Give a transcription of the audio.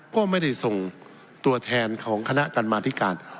ก็ไม่ได้ส่งตัวแทนของคณะกรรมาธิการ